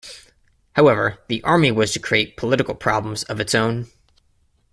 However the army was to create political problems of its own.